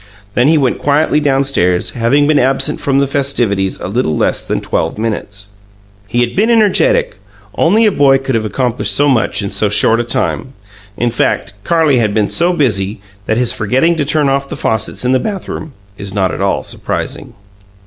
Then he went quietly downstairs, having been absent from the festivities a little less than twelve minutes. He had been energetic only a boy could have accomplished so much in so short a time. In fact, Carlie had been so busy that his forgetting to turn off the faucets in the bathroom is not at all surprising.